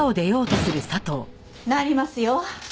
なりますよ。